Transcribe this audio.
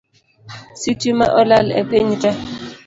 Sitima olal e piny tee